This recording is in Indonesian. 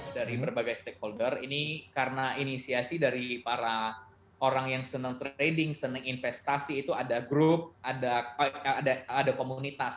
dari berbagai stakeholder ini karena inisiasi dari para orang yang senang trading senang investasi itu ada grup ada komunitas